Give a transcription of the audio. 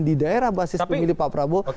di daerah basis pemilih pak prabowo